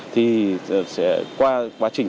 thì qua quá trình